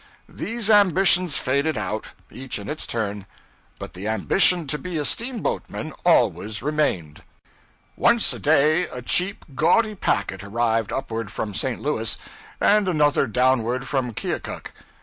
These ambitions faded out, each in its turn; but the ambition to be a steamboatman always remained. Once a day a cheap, gaudy packet arrived upward from St. Louis, and another downward from Keokuk.